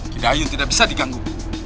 gidayun tidak bisa diganggu